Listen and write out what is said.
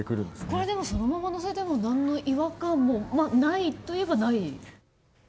これ、でもそのまま載せても何の違和感もないといえばない。